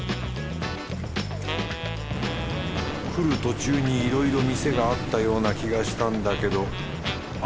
来る途中にいろいろ店があったような気がしたんだけどあ